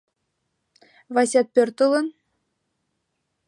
— Васят пӧртылын.